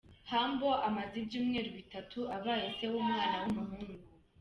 Humble amaze ibyumweru bitatu abaye se w'umwana w'umuhungu.